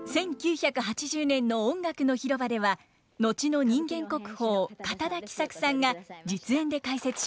１９８０年の「音楽の広場」では後の人間国宝堅田喜三久さんが実演で解説しました。